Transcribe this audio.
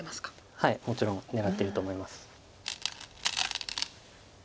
はいもちろん狙ってると思います。